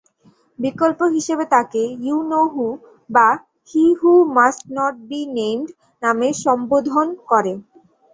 বিকল্প হিসেবে তাকে 'ইউ-নো-হু' বা 'হি-হু-মাস্ট-নট-বি-নেইমড' নামে সম্বোধন করে।